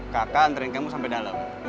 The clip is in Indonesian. kakak nantarin kamu sampe dalam